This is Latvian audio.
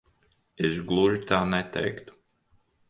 Es gluži tā neteiktu.